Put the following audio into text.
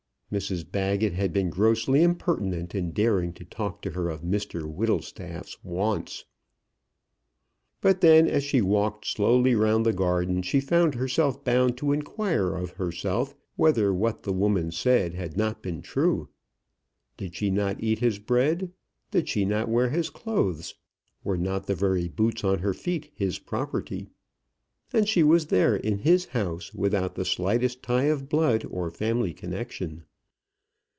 Mrs Baggett had been grossly impertinent in daring to talk to her of Mr Whittlestaff's wants. But then, as she walked slowly round the garden, she found herself bound to inquire of herself whether what the woman said had not been true. Did she not eat his bread; did she not wear his clothes; were not the very boots on her feet his property? And she was there in his house, without the slightest tie of blood or family connection.